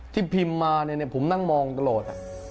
ที่พิมพ์มาผมนั่งมองตลอด